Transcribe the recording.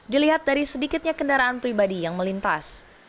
dilihat dari sedikitnya kendaraan pribadi yang melintas